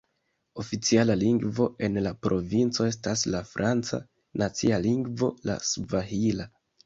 Oficiala lingvo en la provinco estas la franca, nacia lingvo la svahila.